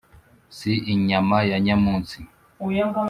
si inyama ya nyamunsi.